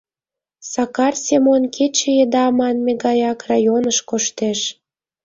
Сакар Семон кече еда манме гаяк районыш коштеш.